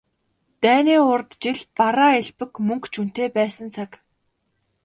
Дайны урьд жил бараа элбэг, мөнгө ч үнэтэй байсан цаг.